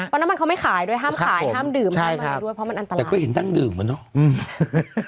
ปั๊บน้ำมันเขาไม่ขายด้วยห้ามขายห้ามดื่มใช่ครับเพราะมันอันตรายแต่ก็เห็นดั้งดื่มเหมือนกันเนอะ